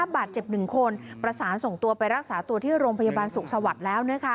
บาดเจ็บ๑คนประสานส่งตัวไปรักษาตัวที่โรงพยาบาลสุขสวัสดิ์แล้ว